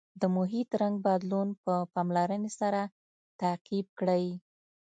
د محیط رنګ بدلون په پاملرنې سره تعقیب کړئ.